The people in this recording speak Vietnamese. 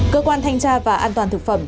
cơ quan thanh tra và an toàn thực phẩm